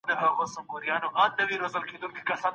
ډېر لوړ ږغ کولای سي پاڼه ړنګه کړي.